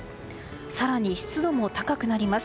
更に湿度も高くなります。